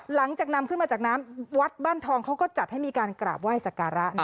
หลังจากนำขึ้นมาจากน้ำวัดบ้านทองเขาก็จัดให้มีการกราบไหว้สักการะ